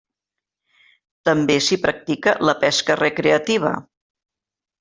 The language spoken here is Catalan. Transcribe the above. També s'hi practica la pesca recreativa.